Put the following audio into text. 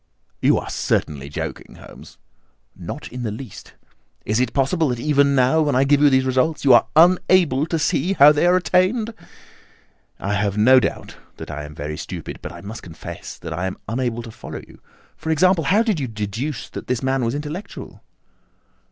"You are certainly joking, Holmes." "Not in the least. Is it possible that even now, when I give you these results, you are unable to see how they are attained?" "I have no doubt that I am very stupid, but I must confess that I am unable to follow you. For example, how did you deduce that this man was intellectual?"